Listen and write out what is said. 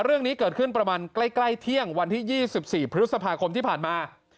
เรื่องนี้เกิดขึ้นประมาณใกล้เที่ยงวันที่๒๔พฤษภาคมที่ผ่านมา